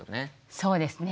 そうですね。